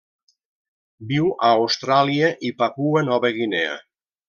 Viu a Austràlia i Papua Nova Guinea.